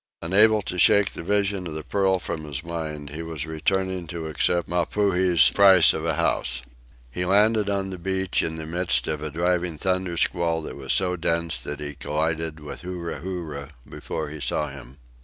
Unable to shake the vision of the pearl from his mind, he was returning to accept Mapuhi's price of a house. He landed on the beach in the midst of a driving thunder squall that was so dense that he collided with Huru Huru before he saw him.